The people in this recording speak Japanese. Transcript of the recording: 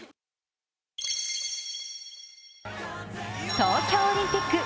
東京オリンピック